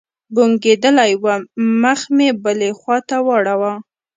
بوږنېدلى وم مخ مې بلې خوا ته واړاوه.